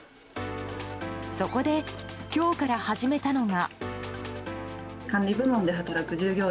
そこで、今日から始めたのが。